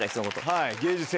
はい。